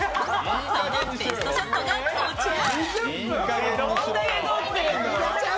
そのベストショットがこちら。